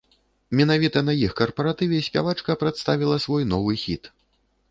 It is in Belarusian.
Менавіта на іх карпаратыве спявачка прадставіла свой новы хіт!